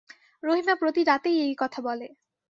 রহিমা প্রতি রাতেই এই কথা বলে।